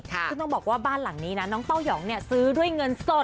ซึ่งต้องบอกว่าบ้านหลังนี้นะน้องเต้ายองซื้อด้วยเงินสด